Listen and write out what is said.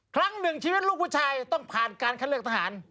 ครั้งหนึ่งชีวิตลูกผู้ชายต้องผ่านการคัดเลือกทหาร